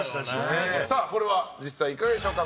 これは実際いかがでしょうか。